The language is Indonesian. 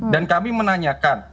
dan kami menanyakan